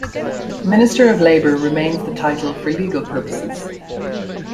"Minister of Labour" remains the title for legal purposes.